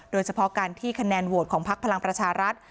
โดยเฉพาะการที่คะแนนโหวตของพักพลังประชารัฐ